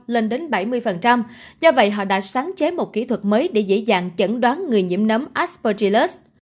lên đến bảy mươi do vậy họ đã sáng chế một kỹ thuật mới để dễ dàng chẩn đoán người nhiễm nấm asportilus